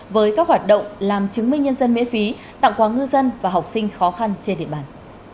với các hoạt động làm chứng minh nhân dân miễn phí tặng quà ngư dân và học sinh khó khăn trên địa bàn